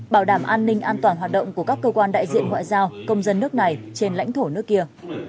bảo đảm an ninh an toàn hoạt động của các cơ quan đại diện ngoại giao công dân nước này trên lãnh thổ nước kia